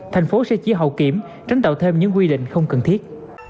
thành phố sẽ chia hậu kiểm tránh tạo thêm những quy định không cần thiết